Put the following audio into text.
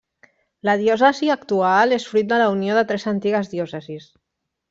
La diòcesi actual és fruit de la unió de tres antigues diòcesis.